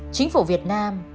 chính phủ việt nam